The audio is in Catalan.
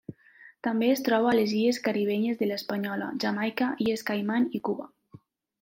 També es troba a les illes caribenyes de l'Espanyola, Jamaica, Illes Caiman i Cuba.